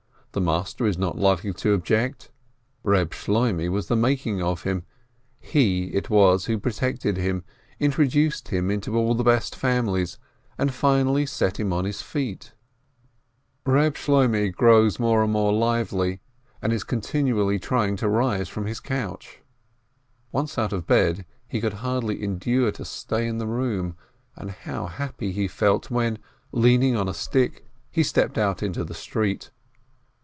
The master is not likely to object. Reb Shloimeh was the making of him, he it was who protected him, introduced him into all the best families, and finally set him on his feet. EEB SHLOIMEH 343 Reb Shloimeh grows more and more lively, and is con tinually trying to rise from his couch. Once out of bed, he could hardly endure to stay in the room, and how happy he felt, when, leaning on a stick, he stept out into the street!